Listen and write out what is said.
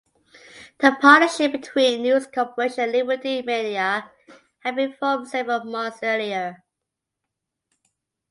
The partnership between News Corporation and Liberty Media had been formed several months earlier.